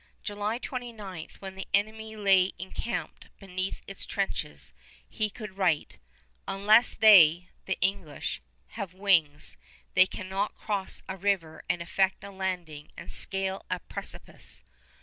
July 29, when the enemy lay encamped beneath his trenches, he could write, "Unless they [the English] have wings, they cannot cross a river and effect a landing and scale a precipice."